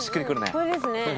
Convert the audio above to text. そうですね。